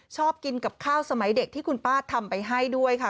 ชอบกินกับข้าวสมัยเด็กที่คุณป้าทำไปให้ด้วยค่ะ